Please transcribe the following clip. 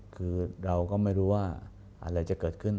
คือเราก็ไม่รู้ว่าอะไรจะเกิดขึ้น